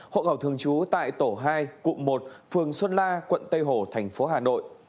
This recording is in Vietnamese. hộ khẩu thường trú tại tổ hai cụm một phường xuân la quận tây hồ thành phố hà nội